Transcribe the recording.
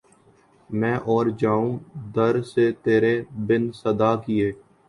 میں اور جاؤں در سے ترے بن صدا کیے